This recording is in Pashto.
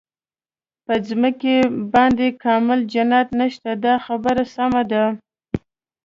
په ځمکه باندې کامل جنت نشته دا خبره سمه ده.